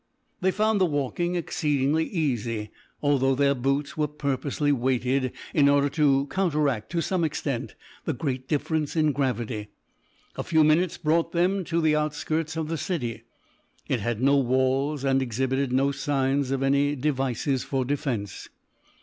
They found the walking exceedingly easy, although their boots were purposely weighted in order to counteract, to some extent, the great difference in gravity. A few minutes brought them to the outskirts of the city. It had no walls and exhibited no signs of any devices for defence.